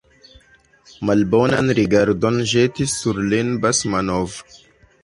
Malbonan rigardon ĵetis sur lin Basmanov.